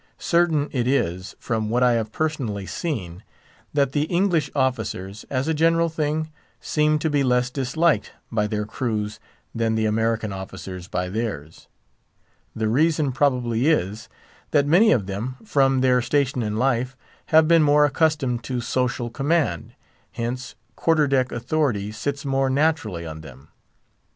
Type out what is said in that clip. Certain it is, from what I have personally seen, that the English officers, as a general thing, seem to be less disliked by their crews than the American officers by theirs. The reason probably is, that many of them, from their station in life, have been more accustomed to social command; hence, quarter deck authority sits more naturally on them.